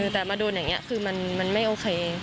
แต่มาโดนอย่างนี้คือมันไม่โอเค